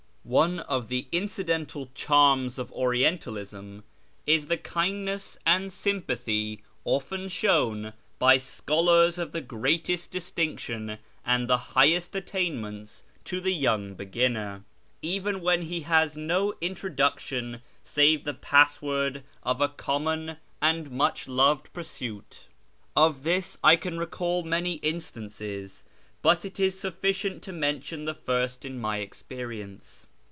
One of the incidental charms of Orientalism is the kind lo A YEAR AMONGST THE PERSIANS ness and syin]>;ithy often sliowii l)y scholars of the greatest ilistinction and the higlicst attainments to the young beginner, even when he has no introcUiction save the pass word of a connnon and niueh loved pursuit. Of tliis I can recall many instances, but it is suilicient to mention the first in my experience.